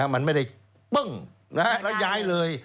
มันไม่ได้ปึ้งแล้วย้ายเลย